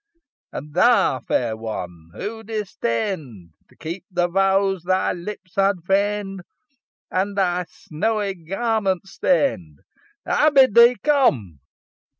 "And thou fair one, who disdain'd To keep the vows thy lips had feign'd; And thy snowy garments stain'd! I bid thee come!"